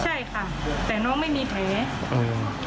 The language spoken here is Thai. ใช่ค่ะแต่น้องไม่มีแผล